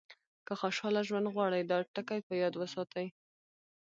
که خوشاله ژوند غواړئ دا ټکي په یاد وساتئ.